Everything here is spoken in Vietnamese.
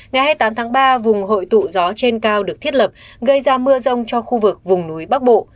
ngày hai mươi tám tháng ba vùng hội tụ gió trên cao được thiết lập gây ra mưa rông cho khu vực vùng núi bắc bộ